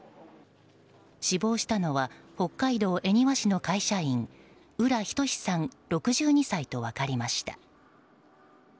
死亡したのは北海道恵庭市の会社員浦仁志さん、６２歳と分かりました。